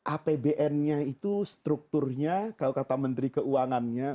apbn nya itu strukturnya kalau kata menteri keuangannya